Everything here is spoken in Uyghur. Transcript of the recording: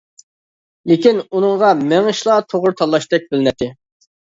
لېكىن ئۇنىڭغا مېڭىشلا توغرا تاللاشتەك بىلىنەتتى.